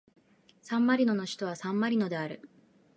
サンマリノの首都はサンマリノである